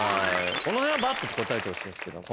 この辺はばっと答えてほしいですけど。